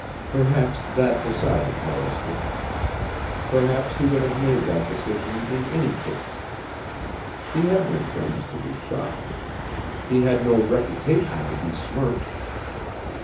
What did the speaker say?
Perhaps that decided Hollister. Perhaps he would have made that decision in any case. He had no friends to be shocked. He had no reputation to be smirched.